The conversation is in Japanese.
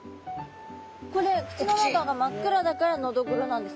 これ口の中が真っ黒だからのどぐろなんですか？